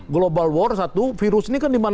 global war satu virus ini kan